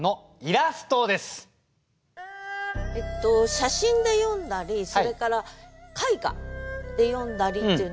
写真で詠んだりそれから絵画で詠んだりっていうのはあるんですね。